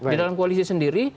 di dalam koalisi sendiri